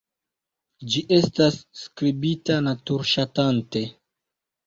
Ĝi estas skribita natur-ŝatante.